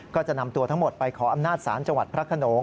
ก็จะนำตัวทั้งหมดไปขออำนาจศาลจพระคนนอง